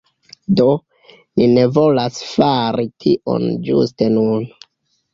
Do, ni ne volas fari tion ĝuste nun